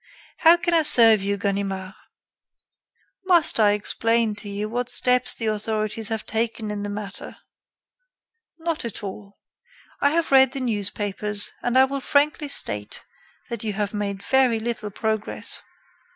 How can I serve you, Ganimard?" "Must I explain to you what steps the authorities have taken in the matter?" "Not at all. I have read the newspapers and I will frankly state that you have made very little progress."